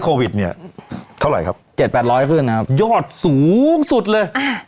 โควิดเนี่ยเท่าไหร่ครับเจ็ดแปดร้อยขึ้นนะครับยอดสูงสุดเลยอ่า